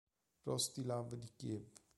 Rostislav di Kiev